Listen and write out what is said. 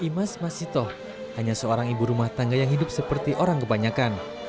masa itu ibu rumah tangga yang hidup seperti orang kebanyakan